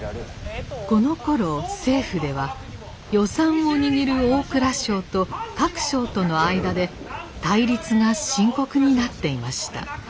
このころ政府では予算を握る大蔵省と各省との間で対立が深刻になっていました。